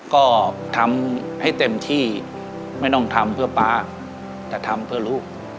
ก็ทำให้เต็มที่ไม่ต้องทำเพื่อป๊าแต่ทำเพื่อลูก